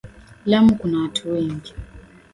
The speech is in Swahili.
Lamu kuna watu wengi.